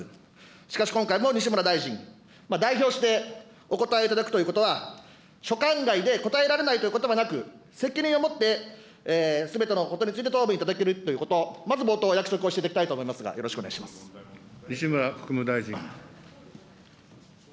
しかし今回も西村大臣、代表してお答えをいただくということは、所管外で答えられないということはなく、責任を持ってすべてのことについて答弁いただけるということ、まず冒頭お約束をしていただきたいと思いますが、よろしく西村国務大臣。